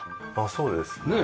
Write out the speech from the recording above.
そうですね。